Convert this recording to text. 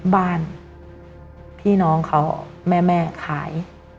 บ้านพี่น้องเขาแม่ขาย